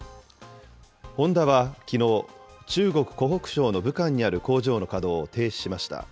ホンダはきのう、中国・湖北省の武漢にある工場の稼働を停止しました。